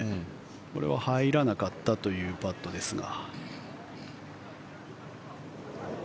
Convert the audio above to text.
これは入らなかったというパットですが。